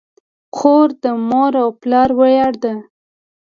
خور د مور او پلار ویاړ ده.